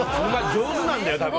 上手なんだよ多分。